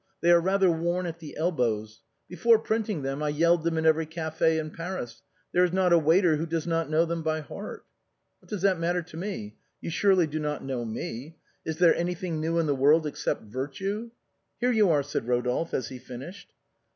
They are rather worn at the elbowa. Before printing them I yelled them in every café in Paris, there is not a waiter who does not know them by heart." "What does that matter to me? You surely do not know me. Is there anything new in the world except virtue ?"" Here you are," said Kodolphe, as he finished.